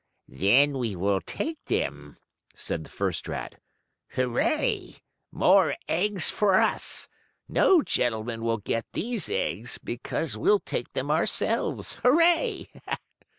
"Then we will take them," said the first rat. "Hurray! More eggs for us! No gentlemen will get these eggs because we'll take them ourselves. Hurray!"